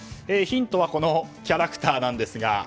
ヒントはこちらのキャラクターです。